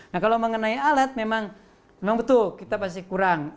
nah kalau mengenai alat memang betul kita pasti kurang